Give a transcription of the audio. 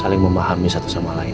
saling memahami satu sama lain